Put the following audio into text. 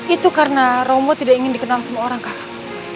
itu karena romo tidak ingin dikenal sama orang kakak